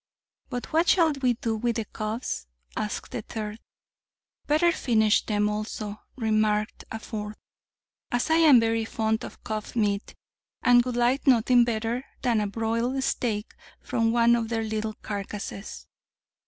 But what shall we do with the cubs? asked the third. Better finish them also, remarked a fourth, as I am very fond of cub meat, and would like nothing better than a broiled steak from one of their little carcasses.